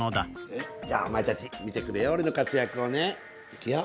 じゃあお前たち見てくれよ俺の活躍をね。いくよ。